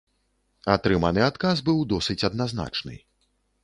Атрыманы адказ быў досыць адназначны.